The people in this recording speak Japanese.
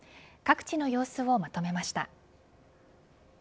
各地の様子をまとめました。